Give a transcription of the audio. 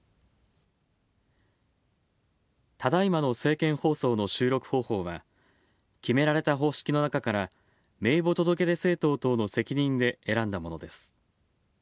ただいまの政見放送の収録方法は、決められた方式の中から名簿届出政党等の責任で選んだものです。